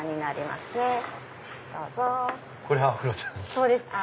そうです。